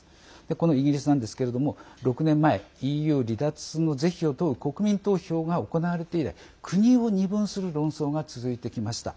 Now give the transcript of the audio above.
このイギリスなんですけれども６年前、ＥＵ離脱の是非を問う国民投票が行われて以来国を二分する論争が続いてきました。